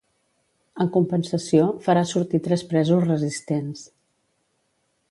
En compensació, farà sortir tres presos resistents.